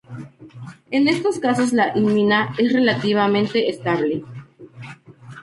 En estos casos la imina es relativamente estable.